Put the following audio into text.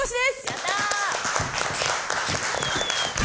やったー。